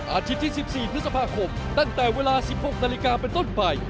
อาทิตย์ที่๑๔พฤษภาคมตั้งแต่เวลา๑๖นาฬิกาเป็นต้นไป